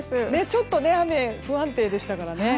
ちょっと不安定でしたからね。